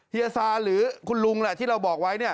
เฮียซาหรือคุณลุงแหละที่เราบอกไว้